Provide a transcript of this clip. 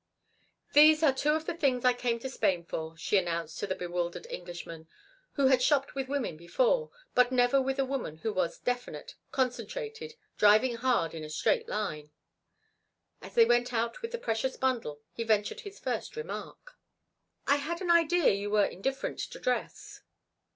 "These are two of the things I came to Spain for," she announced to the bewildered Englishman, who had shopped with women before, but never with a woman who was definite, concentrated, driving hard in a straight line. As they went out with the precious bundle he ventured his first remark. "I had an idea you were indifferent to dress."